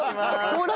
ほら！